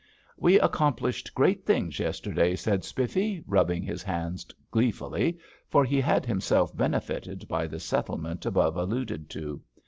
"We accomplished great things yesterday," said Spiffy, rubbing his hands gleefully, for he had himself benefited by the settlement above alluded to.